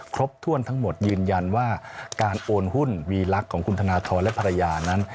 ครบถ้วนทั้งหมดยืนยันว่าการโอนหุ้นวีลักษณ์ของคุณธนทรและภรรยานั้น